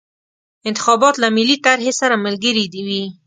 انتخابات له ملي طرحې سره ملګري وي.